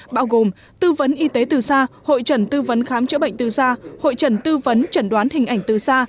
bao gồm tư vấn y tế từ xa hội trần tư vấn khám chữa bệnh từ xa hội trần tư vấn trần đoán hình ảnh từ xa